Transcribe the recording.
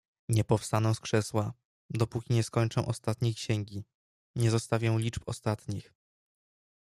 "Nie powstanę z krzesła, dopóki nie skończę ostatniej księgi, nie zestawię liczb ostatnich."